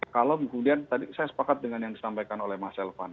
kalau kemudian tadi saya sepakat dengan yang disampaikan oleh mas elvan